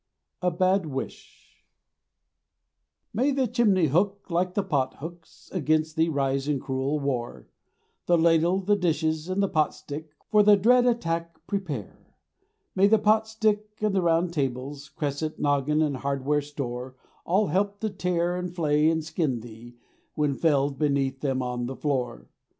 A BAD WISH May the chimney hook and the pot hooks Against thee rise in cruel war; The ladle, the dishes, and the pot stick, For the dread attack prepare. May the pot stick and the round tables, Cresset, noggin, and hardware store, All help to tear, and flay, and skin thee When fell'd beneath them on the floor.